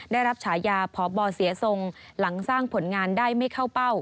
ได้รับฉายาพบเสียทรงหลังสร้างผลงานได้ไม่เข้าเป้า